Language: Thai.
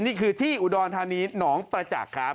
นี่คือที่อุดรธานีหนองประจักษ์ครับ